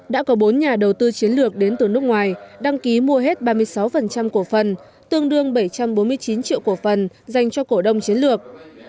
đã có bốn nhà đầu tư chiến lược đến từ nước ngoài đăng ký mua hết ba mươi sáu cổ phần tương đương bảy trăm bốn mươi chín triệu cổ phần dành cho cổ đông chiến lược